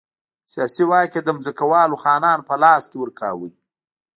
سیاسي واک یې د ځمکوالو خانانو په لاس کې ورکاوه.